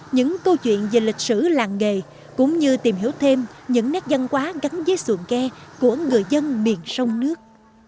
những câu chuyện về lịch sử làng nghề cũng như tìm hiểu thêm những nét văn hóa gắn với xuồng ghe của người dân miền sông nước